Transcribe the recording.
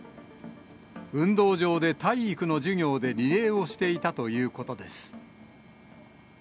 運動場で体育の授業でリレーをしていたということです。